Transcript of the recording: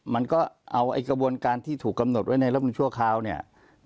มันก็เอาไอ้กระบวนการที่ถูกกำหนดไว้ในรัฐมนุนชั่วคราวเนี่ย